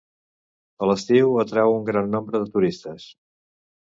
A l'estiu atrau un gran nombre de turistes.